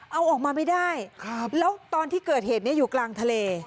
เอาออกมาไม่ได้แล้วตอนที่เกิดเหตุนี้อยู่กลางทะเล